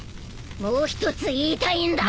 もう一つ言いたいんだ。